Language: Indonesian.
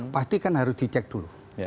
pasti kan harus dicek dulu